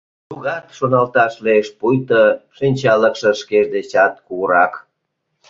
Тугат шоналташ лиеш, пуйто шинчалыкше шкеж дечат кугурак.